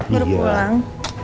gue udah pulang